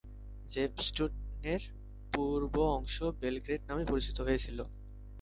জেপস্টুনের পূর্ব অংশ বেলগ্রেড নামে পরিচিত হয়েছিল।